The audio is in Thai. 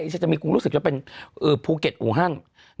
เช่นเดียวจะมีกรุงรุกศึกว่าเป็นภูเก็ตอู่ฮั่น